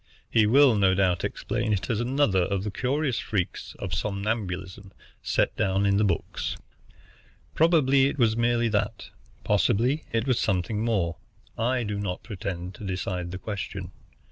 He will no doubt explain it as another of the curious freaks of somnambulism set down in the books. Probably it was merely that, possibly it was something more. I do not pretend to decide the question.